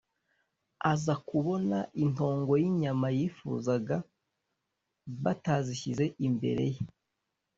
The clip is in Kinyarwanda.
aza kubona intongo z'inyama yifuzaga batazishyize imbere ye.